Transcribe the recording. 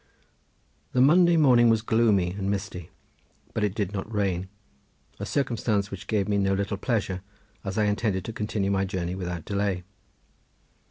The Monday morning was gloomy and misty, but it did not rain, a circumstance which gave me no little pleasure, as I intended to continue my journey without delay.